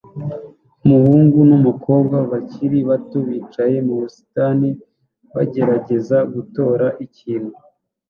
Umuhungu n'umukobwa bakiri bato bicaye mu busitani bagerageza gutora ikintu